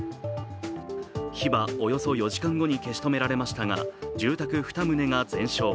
火はおよそ４時間後に消し止められましたが、住宅２棟が全焼。